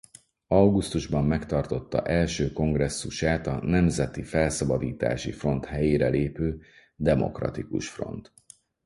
Augusztusban megtartotta első kongresszusát a Nemzeti Felszabadítási Front helyére lépő Demokratikus Front.